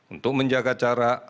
untuk menjaga jarak